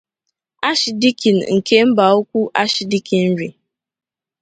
Ashịdikin nke Mbaukwu Ashịdikinri